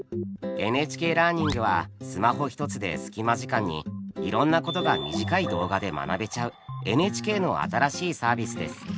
「ＮＨＫラーニング」はスマホ一つでスキマ時間にいろんなことが短い動画で学べちゃうＮＨＫの新しいサービスです。